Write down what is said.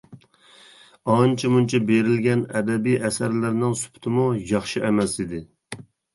ئانچە-مۇنچە بېرىلگەن ئەدەبىي ئەسەرلەرنىڭ سۈپىتىمۇ ياخشى ئەمەس ئىدى.